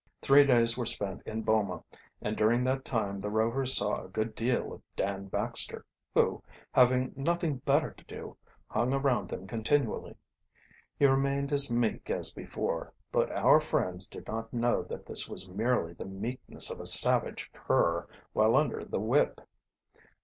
Three days were spent in Boma, and during that time the Rovers saw a good deal of Dan Baxter, who, having nothing better to do, hung around them continually. He remained as meek as before, but our friends did not know that this was merely the meekness of a savage cur while under the whip.